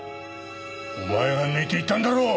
お前が抜いていったんだろう！？